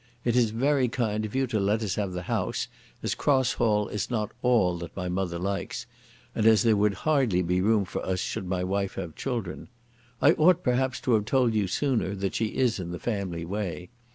It is very kind of you to let us have the house, as Cross Hall is not all that my mother likes, and as there would hardly be room for us should my wife have children. I ought perhaps to have told you sooner that she is in the family way.